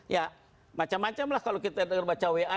ya macam macam lah kalau kita dengar baca wa